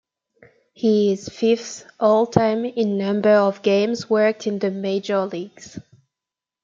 He is fifth all time in number of games worked in the Major Leagues.